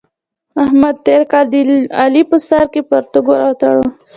احمد تېر کال د علي په سر کې پرتوګ ور وتاړه.